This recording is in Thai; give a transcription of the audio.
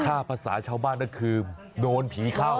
ถ้าภาษาชาวบ้านก็คือโดนผีเข้า